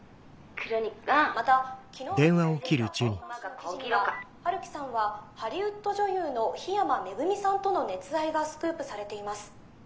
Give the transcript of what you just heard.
また昨日発売された週刊誌の記事には陽樹さんはハリウッド女優の緋山恵さんとの熱愛がスクープされています。